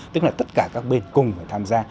tức là tất cả các bên cùng phải tham gia